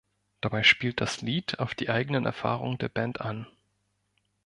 Dabei spielt das Lied auf die eigenen Erfahrungen der Band an.